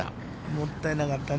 もったいなかったね。